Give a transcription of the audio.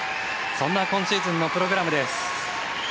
そんな今シーズンのプログラムです。